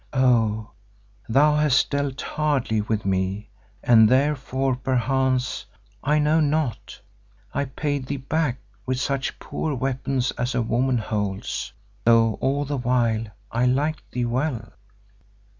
Oh! thou hast dealt hardly with me and therefore perchance—I know not—I paid thee back with such poor weapons as a woman holds, though all the while I liked thee well."